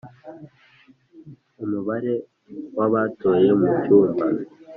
Umubare w abatoye mu cyumba